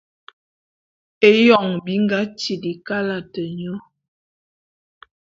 Éyoñ bi nga tili kalate nyô.